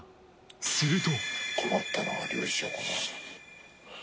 すると。